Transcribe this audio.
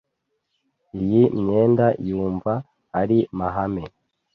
Iyi myenda yumva ari mahame.